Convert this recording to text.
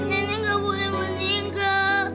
nenek gak boleh meninggal